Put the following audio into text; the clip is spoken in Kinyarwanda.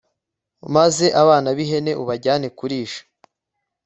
maze abana b'ihene ubajyane kurisha